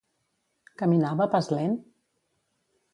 Caminava a pas lent?